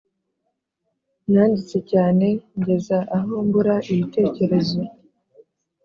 nanditse cyane ngeza aho mbura ibitekerezo